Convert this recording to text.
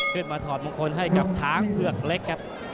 ถอดมงคลให้กับช้างเผือกเล็กครับ